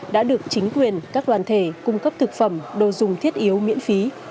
đã được chính quyền các đoàn thể cung cấp thực phẩm đồ dùng thiết yếu miễn phí